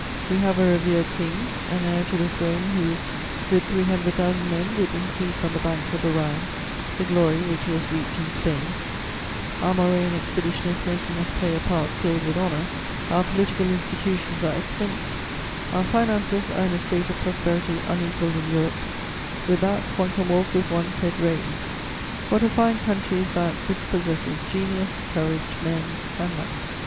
We have a revered King, an Heir to the Throne who, with three hundred thousand men, would increase, on the banks of the Rhine, the glory which he has reaped in Spain; our Morean Expedition is making us play a part filled with honour; our political institutions are excellent; our finances are in a state of prosperity unequalled in Europe: with that one can walk with one's head raised. What a fine country is that which possesses genius, courage, men and money!